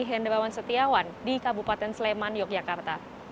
hendrawan setiawan di kabupaten sleman yogyakarta